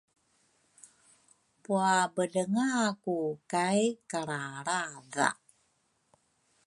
puabelengaku kay kalralradha.